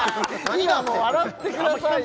今も笑ってくださいよ